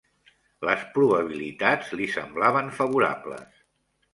Les probabilitats li semblaven favorables.